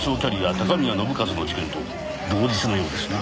高宮信一の事件と同日のようですな。